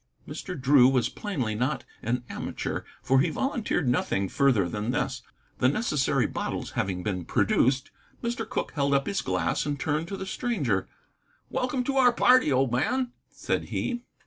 Mr. Drew was plainly not an amateur, for he volunteered nothing further than this. The necessary bottles having been produced, Mr. Cooke held up his glass and turned to the stranger. "Welcome to our party, old man," said he.